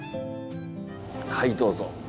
はいどうぞ。